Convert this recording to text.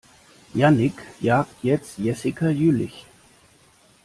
Jannick jagt jetzt Jessica Jüllich.